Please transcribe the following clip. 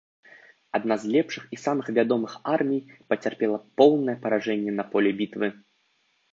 Адна з лепшых і самых вядомых армій пацярпела поўнае паражэнне на поле бітвы.